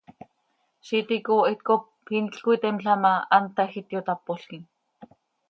Ziix iti icoohit cop inl cöiteemla ma, hant tahjiit, yotápolquim.